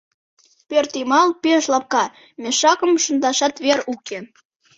Пӧртйымал пеш лапка, мешакым шындашат вер уке.